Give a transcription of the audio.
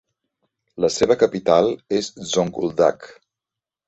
La seva capital és Zonguldak.